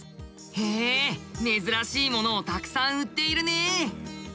へえ珍しいものをたくさん売っているね。